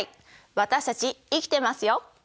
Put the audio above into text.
私たち生きてますよ。